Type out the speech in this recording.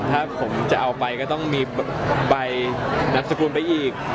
ถ้าผมจะเอาไปก็ต้องมีใบนำสกุลไปอีก